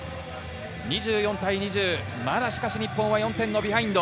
２４対２０、まだしかし日本は４点のビハインド。